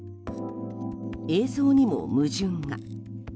映像にも矛盾が。